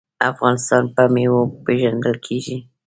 افغانستان په میوو پیژندل کیږي.